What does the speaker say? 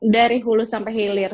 dari hulu sampai hilir